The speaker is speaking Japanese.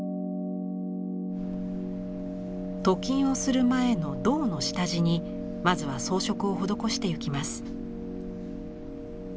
鍍金をする前の銅の下地にまずは装飾を施してゆきます。